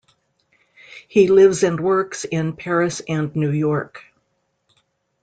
He lives and works in Paris and New York.